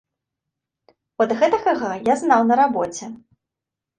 От гэтакага я знаў на рабоце.